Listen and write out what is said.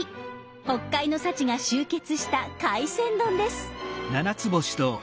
北海の幸が集結した海鮮丼です。